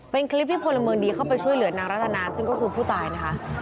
เป็นคลิปที่พลเมืองดีเข้าไปช่วยเหลือนางรัตนาซึ่งก็คือผู้ตายนะคะ